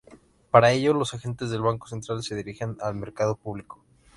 Para ello, los agentes del banco central se dirigen al mercado público.